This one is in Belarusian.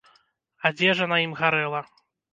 Адзежа на ім гарэла.